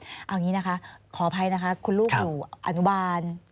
เอาอย่างนี้นะคะขออภัยนะคะคุณลูกอยู่อนุบาล